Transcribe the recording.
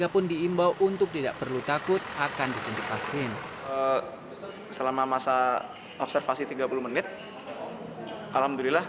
pun diimbau untuk tidak perlu takut akan disuntik vaksin selama masa observasi tiga puluh menit alhamdulillah